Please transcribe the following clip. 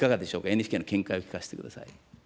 ＮＨＫの見解を聞かせてください。